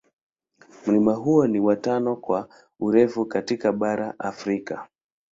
Mlima huo ni wa tano kwa urefu katika bara la Afrika.